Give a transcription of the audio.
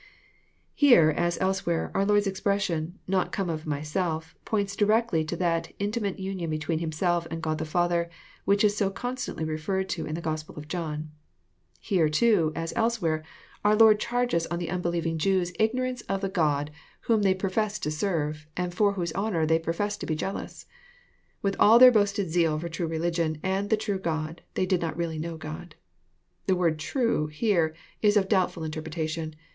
Here, as elsewhere, our Lord's expression, "not come of myself,'* points directly to that intimate union between Himself and God the Father, which is so constantly referred to in the Gospel of John. Here too, as elsewhere, our Lord charges on the unbelieving / 34 EXFOSITOBT THOUGHTS. Jews ignorance of the God whom they professed to serve, and for whose honour they professed to be jealous. With all their boasted zeal for true religion and the true God, they did not really know God. The word "true, here, is of doubtftil interpretation.